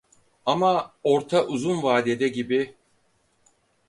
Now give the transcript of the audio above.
Ama orta uzun vadede gibi